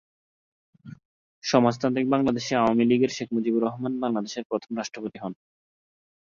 সমাজতান্ত্রিক বাংলাদেশ আওয়ামী লীগের শেখ মুজিবুর রহমান বাংলাদেশের প্রথম রাষ্ট্রপতি হন।